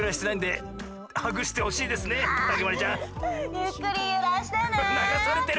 ゆっくりゆらしてね。